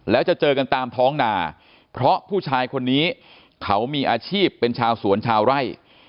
แล้วจะเจอกันตามท้องนาเพราะผู้ชายคนนี้เขามีอาชีพเป็นชาวสวนชาวไร่